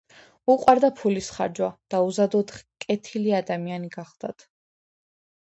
უყვარდა ფულის ხარჯვა და უზადოდ კეთილი ადამიანი გახლდათ.